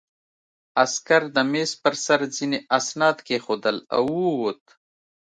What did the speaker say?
عسکر د مېز په سر ځینې اسناد کېښودل او ووت